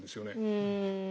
うん。